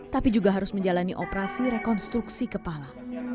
tapi juga harus menjalani operasi rekonstruksi kepala